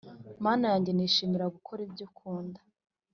“Mana yanjye nishimira gukora ibyo ukunda